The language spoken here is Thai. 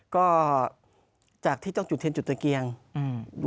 ก็จากที่ต้องจุดเทียนจุดตะเกียงอืม